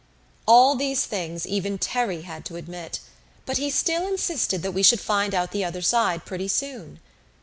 All these things even Terry had to admit, but he still insisted that we should find out the other side pretty soon.